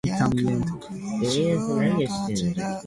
Gover is married to Joan.